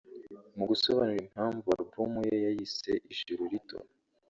Mu gusobanura impamvu album ye yayise ‘Ijuru rito’